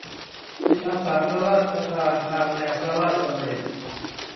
จิตอาสาพระราชทานตามแนวพระราชดำริ